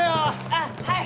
あっはい！